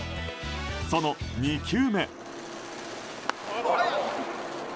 その２球目。